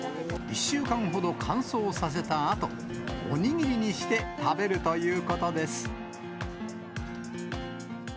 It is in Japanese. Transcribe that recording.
１週間ほど乾燥させたあと、お握りにして食べるということです。